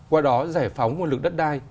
qua đó giải phóng nguồn lực đất đai